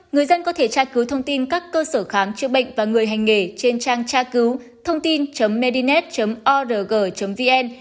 người dân có thể tra cứu thông tin các cơ sở khám chữa bệnh và người hành nghề trên trang tra cứu thông tin medinet org vn